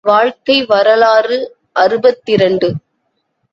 வாழ்க்கை வரலாறு அறுபத்திரண்டு.